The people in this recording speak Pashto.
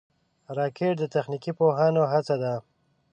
راکټ د تخنیکي پوهانو هڅه ده